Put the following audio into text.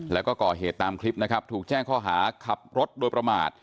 แล้วก็ก่อเหตุตามคลิปนะครับถูกแจ้งข้อหาขับรถโดยประมาท